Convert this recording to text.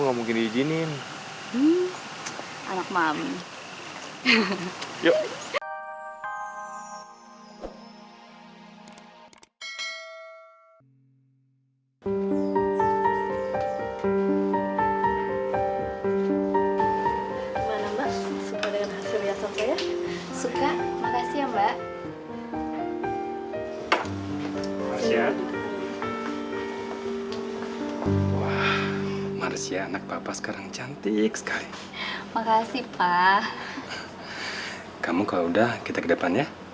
kamu kalau udah kita ke depannya